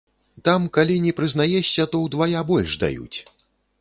Там калі не прызнаешся, то ўдвая больш даюць.